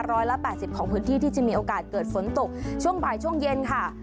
ร้อยละแปดสิบของพื้นที่ที่จะมีโอกาสเกิดฝนตกช่วงบ่ายช่วงเย็นค่ะ